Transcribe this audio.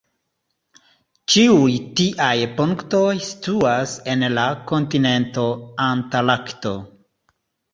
Ĉiuj tiaj punktoj situas en la kontinento Antarkto.